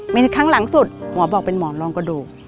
มีครั้งหลังสุดหมอบอกเป็นหมอนรองกระดูก